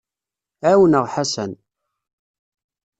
Ɛawneɣ Ḥasan.